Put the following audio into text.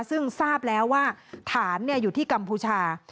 ซึ่งทราบแล้วว่าฐานอยู่ที่กัมพูชา